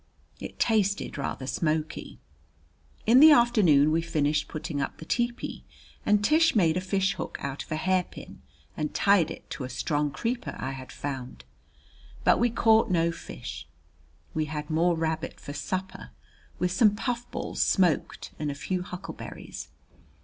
It tasted rather smoky. In the afternoon we finished putting up the tepee, and Tish made a fishhook out of a hairpin and tied it to a strong creeper I had found. But we caught no fish. We had more rabbit for supper, with some puffballs smoked and a few huckleberries.